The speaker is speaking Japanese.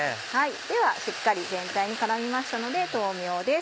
ではしっかり全体に絡みましたので豆苗です。